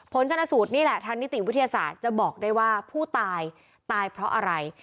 ชนะสูตรนี่แหละทางนิติวิทยาศาสตร์จะบอกได้ว่าผู้ตายตายเพราะอะไร